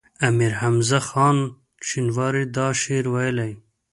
امیر حمزه خان شینواری دا شعر ویلی.